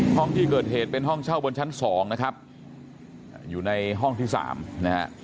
ห้องที่เกิดเหตุเป็นห้องเช่าบนชั้น๒นะครับอยู่ในห้องที่สามนะฮะ